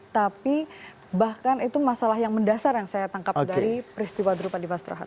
tapi bahkan itu masalah yang mendasar yang saya tangkap dari peristiwa drupadipas traharan